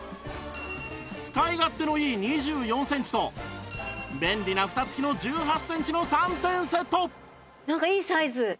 使い勝手のいい２４センチと便利な蓋付きの１８センチの３点セットなんかいいサイズ。